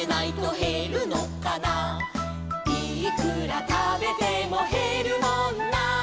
「いくらたべてもへるもんな」